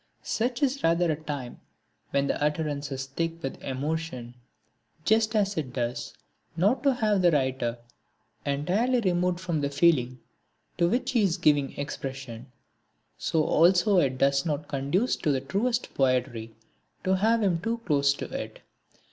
Such is rather a time when the utterance is thick with emotion. Just as it does not do to have the writer entirely removed from the feeling to which he is giving expression, so also it does not conduce to the truest poetry to have him too close to it.